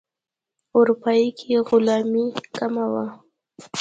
اروپا کې غلامي کمه وه.